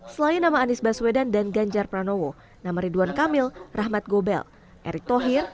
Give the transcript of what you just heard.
selain nama anies baswedan dan ganjar pranowo nama ridwan kamil rahmat gobel erick thohir